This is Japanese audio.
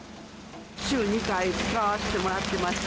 週２回使わせてもらってます。